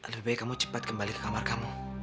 lebih baik kamu cepat kembali ke kamar kamu